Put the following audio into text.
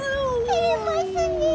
てれますねえ。